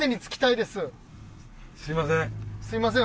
すみません。